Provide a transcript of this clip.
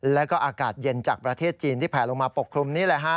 แล้วก็อากาศเย็นจากประเทศจีนที่แผลลงมาปกคลุมนี่แหละฮะ